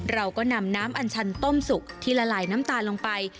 เราก็นำน้ำอัญชันต้มสุกที่ละลายน้ำตาลลงไป